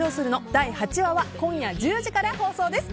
第８話は今夜１０時から放送です。